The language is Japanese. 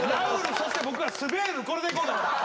そして僕がスベールこれでいこうか！